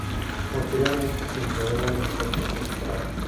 Posteriormente, se integró en el peto por separado.